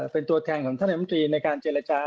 เป็นตัวแทนของท่านนายมตรีในการเจรจา